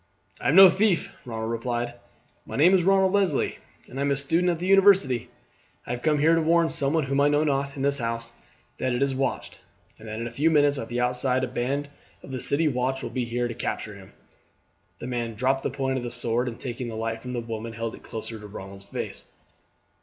"I am no thief," Ronald replied. "My name is Ronald Leslie, and I am a student at the university. I have come here to warn someone, whom I know not, in this house that it is watched, and that in a few minutes at the outside a band of the city watch will be here to capture him." The man dropped the point of his sword, and taking the light from the woman held it closer to Ronald's face.